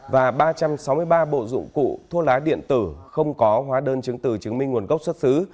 và ba trăm sáu mươi ba bộ dụng cụ thuốc lá điện tử không có hóa đơn chứng từ chứng minh nguồn gốc xuất xứ